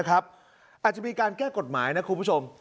อาจจะมีการแก้กฎหมายนะคุณผู้ชม